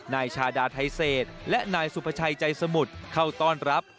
นายชาดาไทเศษและนายสุภาชัยใจสมุทรเข้าต้อนรับ